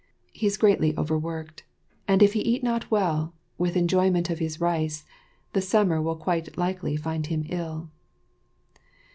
He is greatly over worked, and if he eat not well, with enjoyment of his rice, the summer will quite likely find him ill.